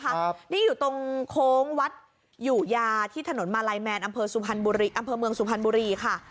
ครับนี่อยู่ตรงโค้งวัดอยู่ยาที่ถนนมาลัยแมนอำเภอสุพรรณบุรีอำเภอเมืองสุพรรณบุรีค่ะ